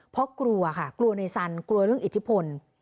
เพราะกลัวค่ะกลัวในสันกลัวเรื่องอิทธิพล